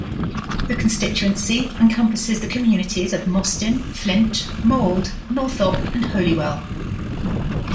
The constituency encompasses the communities of Mostyn, Flint, Mold, Northop and Holywell.